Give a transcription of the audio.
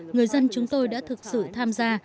người dân chúng tôi đã thực sự tham gia